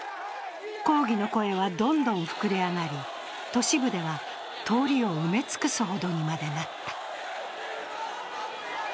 抗議の声はどんどん膨れ上がり都市部では通りを埋め尽くすほどになった。